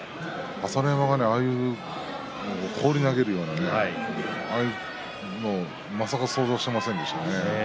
朝乃山が、ああいう放り投げるようなまさか想像していませんでした。